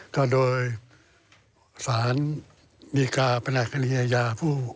ก็โดยสารดีกาประแหลกฐานิยายาผู้